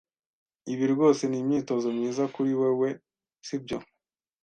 Ibi rwose ni imyitozo myiza kuri wewe, sibyo?